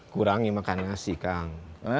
kurangi makan ngasih kang